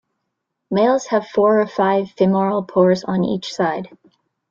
Males have four or five femoral pores on each side.